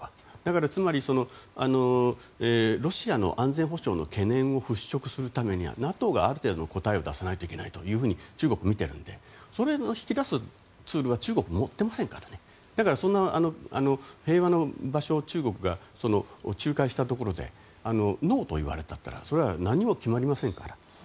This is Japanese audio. だからつまりロシアの安全保障の懸念を払拭するためにはＮＡＴＯがある程度答えを出さないといけないと中国は見ているのでそれを引き出すツールを中国は持っていませんからだから、平和の場所を中国が仲介したところでノーと言われたら何も決まりませんから。